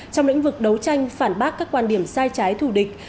trong lĩnh vực đấu tranh phản bác các quan điểm sai trái thù địch